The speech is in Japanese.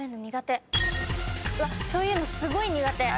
そういうのすごい苦手。